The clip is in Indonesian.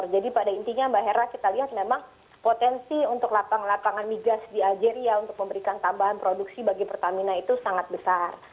jadi pada intinya mbak hera kita lihat memang potensi untuk lapangan migas di algeria untuk memberikan tambahan produksi bagi pertamina itu sangat besar